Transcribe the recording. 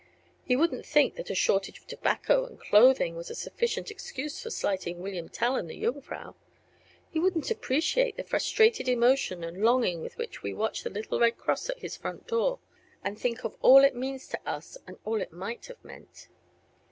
He wouldn't think that a shortage of tobacco and clothing was a sufficient excuse for slighting William Tell and the Jungfrau. He wouldn't appreciate the frustrated emotion and longing with which we watch the little red cross at his front door, and think of all it means to us and all it might have meant.